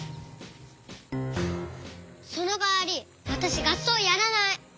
そのかわりわたしがっそうやらない。